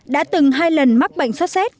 đã từng hai lần mắc bệnh xuất xét